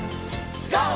ＧＯ！